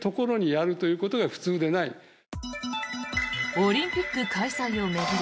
オリンピック開催を巡り